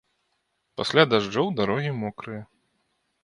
Пасля дажджоў дарогі мокрыя.